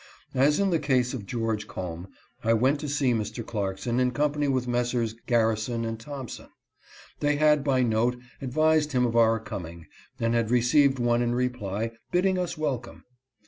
As in the case of George Combe, I went to see Mr. Clarkson in company with Messrs. Garrison and Thompson. They had by note advised him of our coming, and had received one in reply, bidding us welcome.